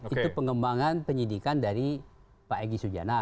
itu pengembangan penyidikan dari pak egy sujana